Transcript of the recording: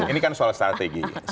ini kan soal strategi